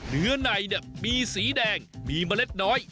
เนื้อในมีสีแดงมีเมล็ดน้อย